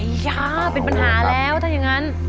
ยาเป็นปัญหาแล้วถ้าอย่างนั้น